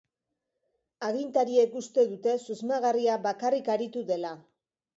Agintariek uste dute susmagarria bakarrik aritu dela.